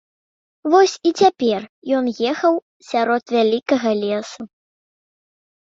Вось і цяпер ён ехаў сярод вялікага лесу.